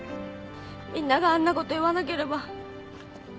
みんながあんなこと言わなければ。